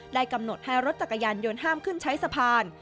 กำหนดให้รถจักรยานยนต์ห้ามขึ้นใช้สะพาน